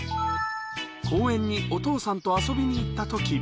公園にお父さんと遊びに行ったとき。